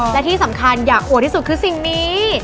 และที่สำคัญอยากอวดที่สุดคือสิ่งนี้